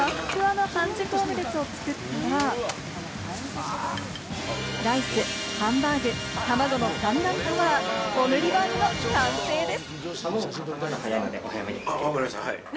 ふわふわの半熟オムレツを作ったら、ライス、ハンバーグ、オムレツ、３段重ねのオムリバーグの完成です。